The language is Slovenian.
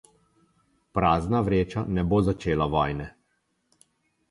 Prazna vreča ne bo začela vojne.